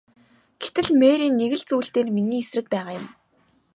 Гэтэл Мэри нэг л зүйл дээр миний эсрэг байгаа юм.